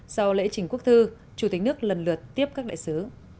sau lễ trình quốc thư chủ tịch nước lần lượt tiếp các đại sứ